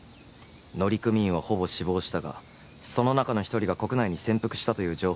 乗組員はほぼ死亡したがその中の一人が国内に潜伏したという情報があってな。